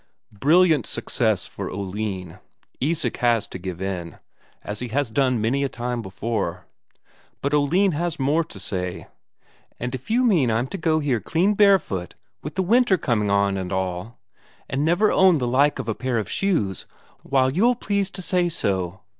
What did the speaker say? Brilliant success for Oline. Isak has to give in, as he has done many a time before. But Oline had more to say. "And if you mean I'm to go here clean barefoot, with the winter coming on and all, and never own the like of a pair of shoes, why, you'll please to say so.